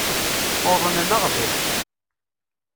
Uḍnen aɣbel.